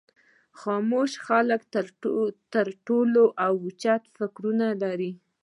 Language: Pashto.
خاموشه خلک تر ټولو اوچت فکرونه لري.